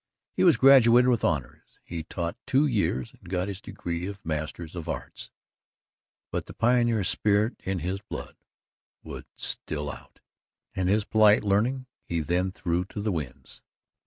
He was graduated with honours, he taught two years and got his degree of Master of Arts, but the pioneer spirit in his blood would still out, and his polite learning he then threw to the winds.